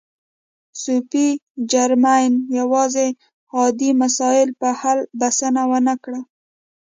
صوفي جرمین یوازې عادي مسایلو په حل بسنه و نه کړه.